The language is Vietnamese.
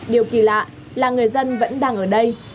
điều kỳ lạ là người dân vẫn đang ở đây